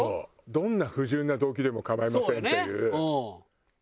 どんな不純な動機でも構いませんっていう。